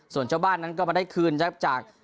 ส่วนเจ้าบ้านนั้นก็มาได้คืนครับจาก